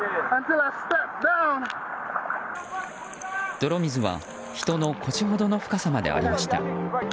泥水は人の腰ほどの深さまでありました。